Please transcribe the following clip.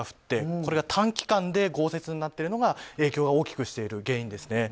これが短期間で豪雪になっているのが影響を大きくしている原因です。